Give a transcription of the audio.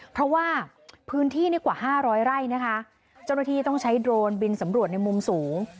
เพราะว่าพื้นที่นี่กว่าห้าร้อยไร่นะคะเจ้าหน้าที่ต้องใช้โดรนบินสำรวจในมุมสูง